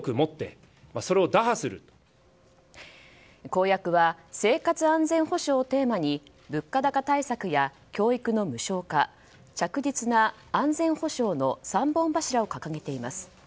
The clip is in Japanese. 公約は生活安全保障をテーマに物価高対策や教育の無償化着実な安全保障の３本柱を掲げています。